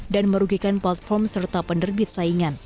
dan merugikan platform serta penerbit saingan